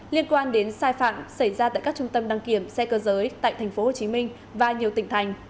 liên quan đến sai phạm xảy ra tại các trung tâm đăng kiểm xe cơ giới tại tp hcm và nhiều tỉnh thành